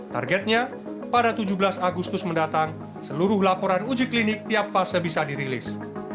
targetnya pada tujuh belas agustus mendatang seluruh laporan uji klinik tiap fase bisa dirilis